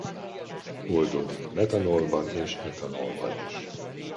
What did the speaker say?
Oldódik metanolban és etanolban is.